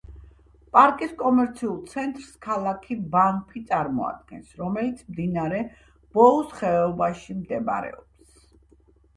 პარკის კომერციულ ცენტრს ქალაქი ბანფი წარმოადგენს, რომელიც მდინარე ბოუს ხეობაში მდებარეობს.